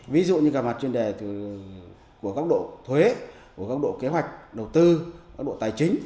ví dụ như cả mặt chuyên đề của góc độ thuế của góc độ kế hoạch đầu tư góc độ tài chính